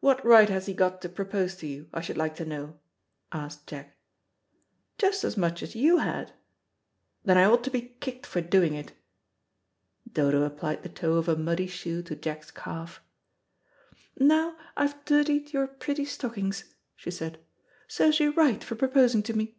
"What right has he got to propose to you, I should like to know?" asked Jack. "Just as much as you had." "Then I ought to be kicked for doing it." Dodo applied the toe of a muddy shoe to Jack's calf. "Now, I've dirtied your pretty stockings," she said. "Serves you right for proposing to me.